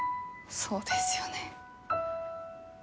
そうなんですよね。